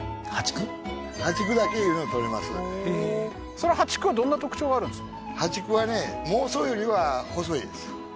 その淡竹はどんな特徴があるんですか？